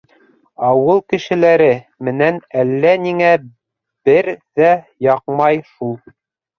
Ауыл кешеләре менән әллә ниңә бер ҙә яҡмай шул.